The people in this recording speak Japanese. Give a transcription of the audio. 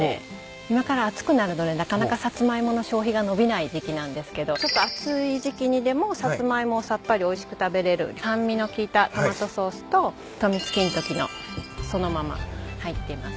今から暑くなるのでなかなかサツマイモの消費が伸びない時季なんですけどちょっと暑い時季にでもサツマイモをさっぱりおいしく食べれる酸味の効いたトマトソースととみつ金時のそのまま入っています。